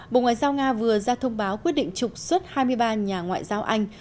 bộ ngoại giao nga vừa ra thông báo quyết định trục xuất hai mươi ba nhà ngoại giao anh